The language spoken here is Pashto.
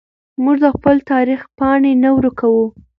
موږ د خپل تاریخ پاڼې نه ورکوو.